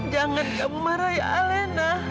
jangan kamu marah ya alena